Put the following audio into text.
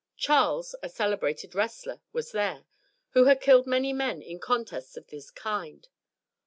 Charles, a celebrated wrestler, was there, who had killed many men in contests of this kind.